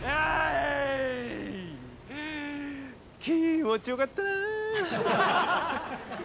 気持ち良かった！